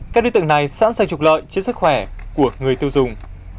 các đối tượng này sẵn sàng trục lợi trên sức khỏe của người tiêu dùng